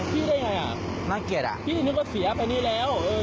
พี่ได้ไงอ่ะน่าเกลียดอ่ะพี่นึกว่าเสียแพะนี้แล้วเออ